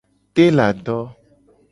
Telado.